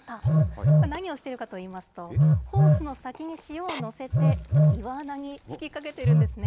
これ、何をしているかといいますと、ホースの先に塩を載せて、岩穴に吹きかけているんですね。